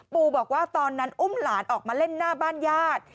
บอกว่าตอนนั้นอุ้มหลานออกมาเล่นหน้าบ้านญาติ